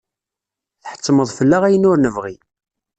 Tḥettmeḍ fell-aɣ ayen ur nebɣi.